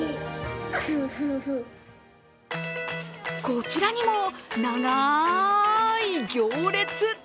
こちらにも長い行列。